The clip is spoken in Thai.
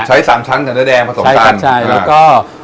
ใช้สามชั้นเนื้อแดงผสมชั้นใช่ครับใช่แล้วก็